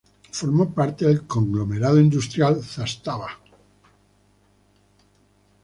Formó parte del conglomerado industrial Zastava.